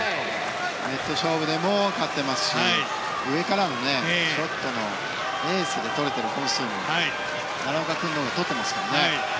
ネット勝負でも勝ってますし上からのショットもエースが取れている本数は奈良岡君のほうが取ってますからね。